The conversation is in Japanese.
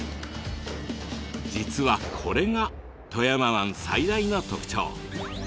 実はこれが富山湾最大の特徴。